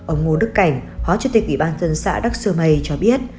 ông ngô đức cảnh hóa chủ tịch ủy ban dân xã đắk sơ mây cho biết